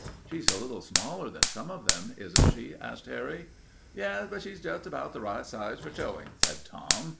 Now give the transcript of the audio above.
"She's a little smaller than some of them, isn't she?" asked Harry. "Yes, but she's just about the right size for showing," said Tom.